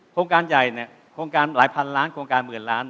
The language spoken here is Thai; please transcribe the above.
โครงการใหญ่เนี่ยโครงการหลายพันล้านโครงการหมื่นล้าน